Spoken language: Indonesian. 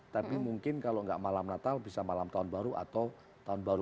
tapi mungkin kalau nggak malam natal bisa malam tahun baru atau tahun baru